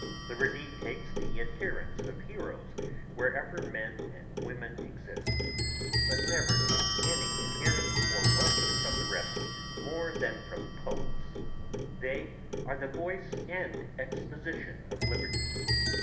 Liberty takes the adherence of heroes wherever men and women exist ... but never takes any adherence or welcome from the rest more than from poets. They are the voice and exposition of liberty.